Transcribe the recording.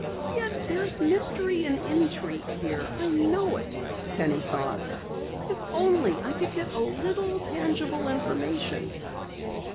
"Yet there's mystery and intrigue here I know it!" Penny thought. "If only I could get a little tangible information!"